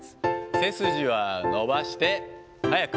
背筋は伸ばして、早く。